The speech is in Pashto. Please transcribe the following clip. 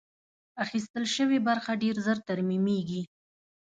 اخیستل شوې برخه ډېر ژر ترمیمېږي.